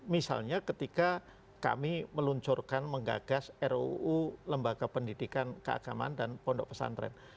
misalnya ketika kami meluncurkan menggagas ruu lembaga pendidikan keagamaan dan pondok pesantren